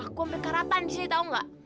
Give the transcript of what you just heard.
aku hampir keratan disini tau ga